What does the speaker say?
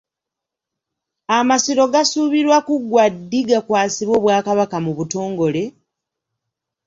Amasiro gasuubirwa kuggwa ddi gakwasibwe Obwakabaka mu butongole?